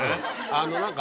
あの何か。